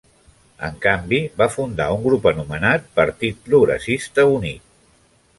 En canvi, va fundar un grup anomenat Partit Progressista Unit.